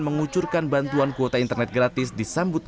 mengucurkan bantuan kuota internet gratis disambut